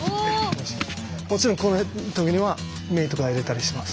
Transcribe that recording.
もちろんこういう時には目とか入れたりします。